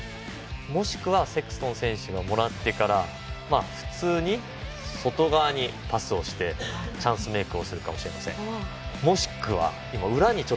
もしくはセクストン選手がもらってから普通に外側にパスをしてチャンスメークをするかもしれません。